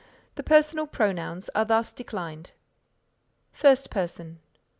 The personal pronouns are thus declined: First Person.